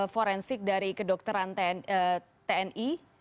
forensik dari kedokteran tni